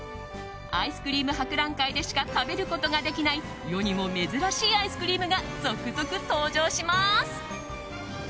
アイスクリーム博覧会でしか食べることのできない世にも珍しいアイスクリームが続々登場します。